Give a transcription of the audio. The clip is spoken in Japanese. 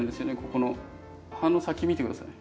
ここの葉の先見て下さい。